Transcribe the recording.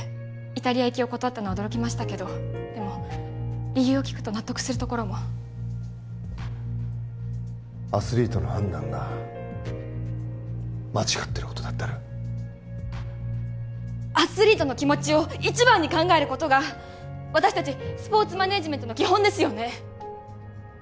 イタリア行きを断ったのは驚きましたけどでも理由を聞くと納得するところもアスリートの判断が間違ってることだってあるアスリートの気持ちを一番に考えることが私達スポーツマネージメントの基本ですよね！？